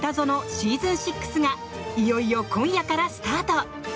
シーズン６がいよいよ今夜からスタート！